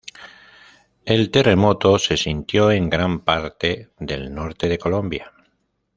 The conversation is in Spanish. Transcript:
El terremoto se sintió en gran parte del norte de Colombia.